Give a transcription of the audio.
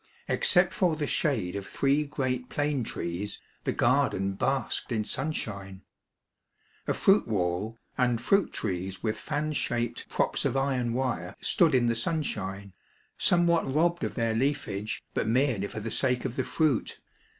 Ex cept for the shade of three great plane trees, the garden basked in sunshine. A fruit wall, and fruit trees with fan shaped props of iron wire stood in the sunshine, somewhat robbed of their leafage, but merely for the sake of the fruit.